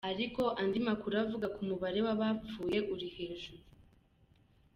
Ariko andi makuru avuga ko umubare w’abapfuye uri hejuru.